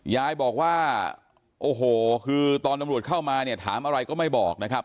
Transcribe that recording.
ยายบอกว่าโอ้โหคือตอนตำรวจเข้ามาเนี่ยถามอะไรก็ไม่บอกนะครับ